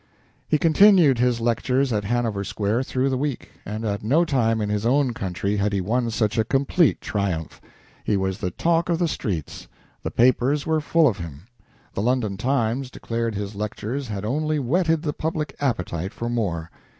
He continued his lectures at Hanover Square through the week, and at no time in his own country had he won such a complete triumph. He was the talk of the streets. The papers were full of him. The "London Times" declared his lectures had only whetted the public appetite for more.